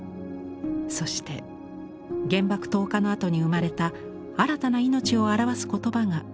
そして原爆投下のあとに生まれた新たな命を表す言葉が浮かび上がります。